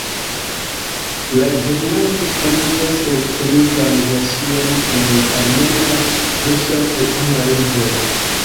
La ĵurnalo disponigas elektronikan version en la armena, rusa kaj angla lingvoj.